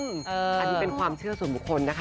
อันนี้เป็นความเชื่อส่วนบุคคลนะคะ